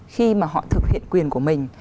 khi mà họ thực hiện quyền của mình